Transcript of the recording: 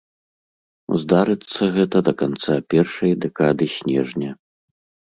Здарыцца гэта да канца першай дэкады снежня.